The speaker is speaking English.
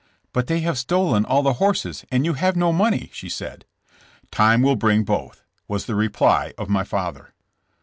"But they have stolen all the horses, and you have no money, '' she said. "Time will bring both," was the reply of my father.